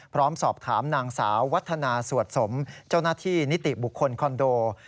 พร้อมสอบถามนางสาววัฒนาสวดสมเจ้าหน้าที่นิติบุคคลคอนโด